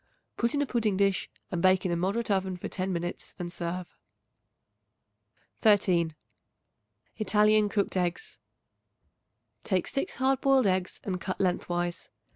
Put in a pudding dish and bake in a moderate oven for ten minutes and serve. 13. Italian Cooked Eggs. Take 6 hard boiled eggs and cut lengthwise.